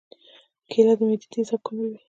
کېله د معدې تیزاب کموي.